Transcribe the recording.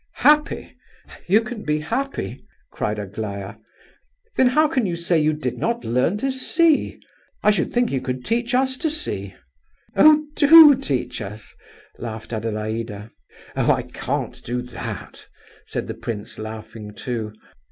"Happy! you can be happy?" cried Aglaya. "Then how can you say you did not learn to see? I should think you could teach us to see!" "Oh! do teach us," laughed Adelaida. "Oh! I can't do that," said the prince, laughing too.